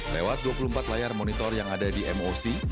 lewat dua puluh empat layar monitor yang ada di moc